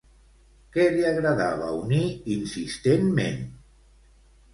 Què li agradava unir insistentment?